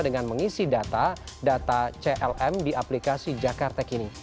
dengan mengisi data data clm di aplikasi jakarta kini